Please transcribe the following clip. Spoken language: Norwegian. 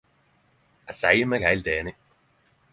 Eg seier meg heilt einig!